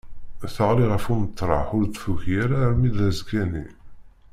Teɣli ɣef umeṭreḥ ur d-tuki ara armi d azekka-nni.